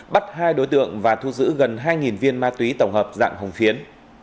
bắt hai đối tượng và thu giữ gần hai viên ma túy tổng hợp dạng hồng phiến